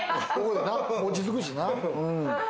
落ち着くしな。